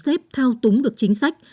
các doanh nghiệp thao túng được chính sách